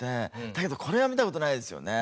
だけどこれは見た事ないですよね。